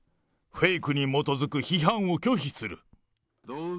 フェイクに基づく批判を拒否する。